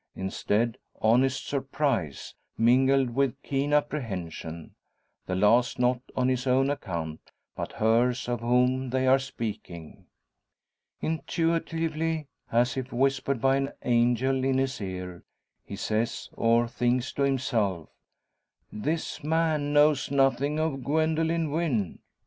Instead, honest surprise mingled with keen apprehension; the last not on his own account, but hers of whom they are speaking. Intuitively, as if whispered by an angel in his ear, he says, or thinks to himself: "This man knows nothing of Gwendoline Wynn.